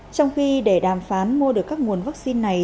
trong khi để đàm phán mua được các nguồn vaccine này